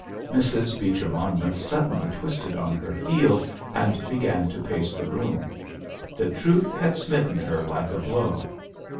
Mrs. Beecher Monmouth suddenly twisted on her heel and began to pace the room. The truth had smitten her like a blow.